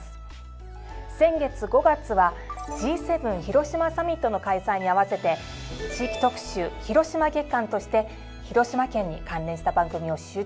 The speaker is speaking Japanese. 先月５月はＧ７広島サミットの開催に合わせて地域特集・広島月間として広島県に関連した番組を集中的に編成。